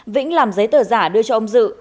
vĩnh làm giấy tờ giả đưa cho ông dự